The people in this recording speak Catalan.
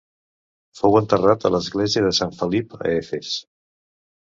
Fou enterrat a l'església de sant Felip a Efes.